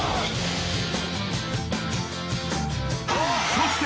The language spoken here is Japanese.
［そして］